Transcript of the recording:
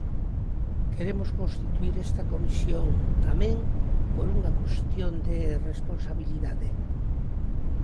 Queremos constituír esta comisión tamén por unha cuestión de responsabilidade.